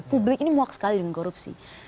publik ini muak sekali dengan korupsi